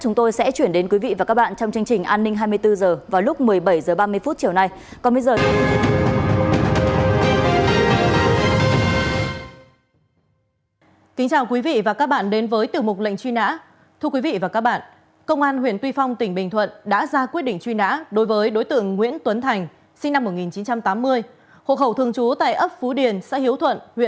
chúng tôi sẽ chuyển đến quý vị và các bạn trong chương trình an ninh hai mươi bốn h